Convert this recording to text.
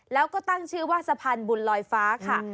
แล้วก็ตั้งชื่อว่าสะพานบุญลอยฟ้าค่ะ